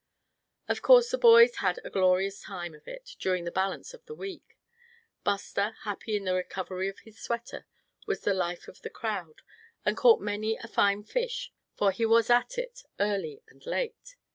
Of course the boys had a glorious time of it during the balance of the week. Buster, happy in the recovery of his sweater, was the life of the crowd, and caught many a fine fish, for he was at it early and late.